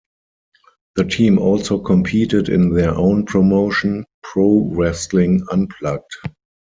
The team also competed in their own promotion, Pro Wrestling Unplugged.